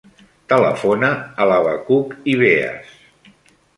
Telefona a l'Habacuc Ibeas.